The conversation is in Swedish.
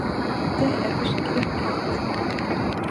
Det är förskräckligt!